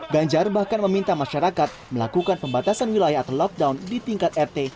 ganjar bahkan meminta masyarakat melakukan pembatasan wilayah atau lockdown di tingkat rt